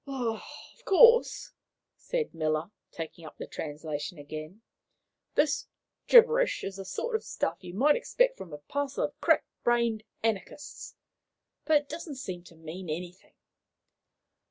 "Of course," said Miller, taking up the translation again, "this gibberish is the sort of stuff you might expect from a parcel of crack brained anarchists; but it doesn't seem to mean anything."